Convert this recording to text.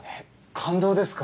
感動ですか？